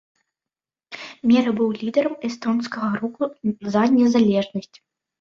Меры быў лідарам эстонскага руху за незалежнасць.